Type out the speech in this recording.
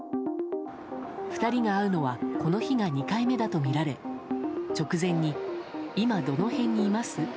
２人が会うのはこの日が２回目だとみられ直前に、今どの辺にいます？